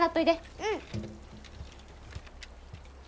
うん。